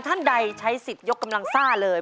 ท่านใดใช้สิทธิ์ยกกำลังซ่าเลย